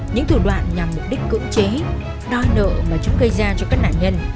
những công ty tư vấn nhằm mục đích cưỡng chế đòi nợ mà chúng gây ra cho các nạn nhân